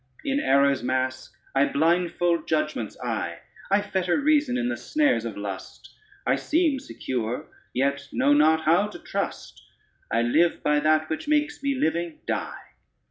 In error's mask I blindfold judgment's eye, I fetter reason in the snares of lust, I seem secure, yet know not how to trust; I live by that which makes me living die.